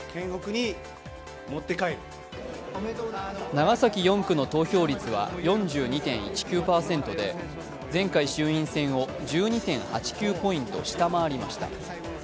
長崎４区の投票率は４２．１９％で前回衆院選を１２．８９ポイント下回りました。